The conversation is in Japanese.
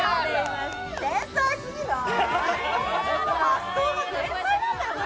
発想が天才なんだよな。